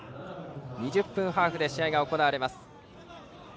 ２０分ハーフで試合が行われます。